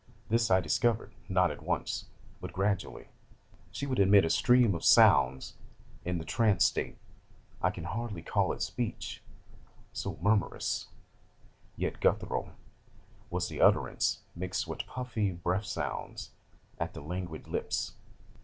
This I discovered, not at once, but gradually. She would emit a stream of sounds in the trance state I can hardly call it speech, so murmurous, yet guttural, was the utterance, mixed with puffy breath sounds at the languid lips.